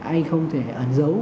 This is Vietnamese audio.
ai không thể ẩn dấu